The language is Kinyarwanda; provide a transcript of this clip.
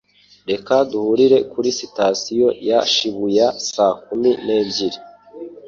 Reka duhurire kuri Sitasiyo ya Shibuya saa kumi n'ebyiri.